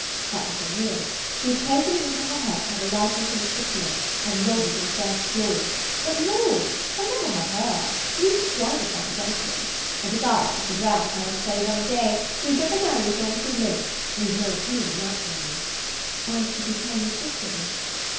But the thing is, she has taken it into her head to have a liking for Mr. Smith, as lodges on the first floor; but, Lord, he'll never have her, for he's quite a fine gentleman; and besides, Mr. Brown heard him say one day, that he'd never marry as long as he lived, for he'd no opinion of matrimony." "And did you tell your sister this?"